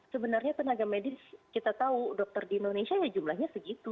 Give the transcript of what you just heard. sebenarnya tenaga medis kita tahu dokter di indonesia ya jumlahnya segitu